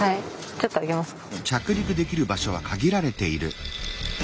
ちょっと上げますか。